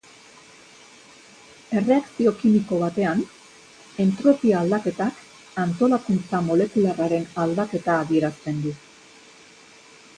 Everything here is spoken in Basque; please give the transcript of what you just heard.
Erreakzio-kimiko batean entropia aldaketak antolakuntza-molekularraren aldaketa adierazten du.